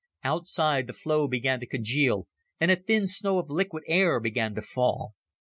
Outside, the flow began to congeal, and a thin snow of liquid air began to fall.